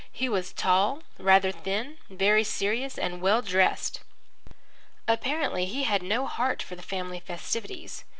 He was tall, rather thin, very serious, and well dressed. Apparently he had no heart for the family festivities.